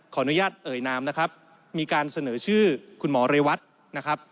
อนุญาตเอ่ยนามนะครับมีการเสนอชื่อคุณหมอเรวัตนะครับ